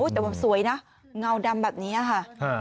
โอ๊ยแต่สวยนะเงาดำแบบนี้ค่ะ